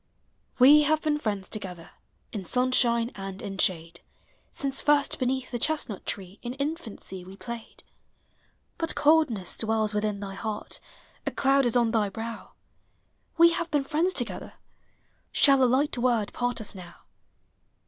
We have been friends together In sunshine and in shade, Since first beneath the chestnut tree In infancy we played. But coldness dwells within thy heart, A cloud is on thy brow ; We have been friends together, Shall a light word part us now?